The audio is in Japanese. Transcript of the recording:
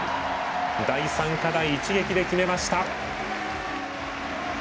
第３課題、一撃で決めました。